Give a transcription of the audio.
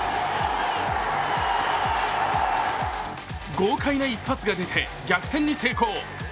豪快な一発が出て逆転に成功。